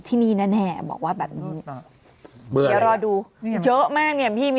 ที่นี่แน่บอกว่าแบบนี้เดี๋ยวรอดูเยอะมากเนี่ยพี่มี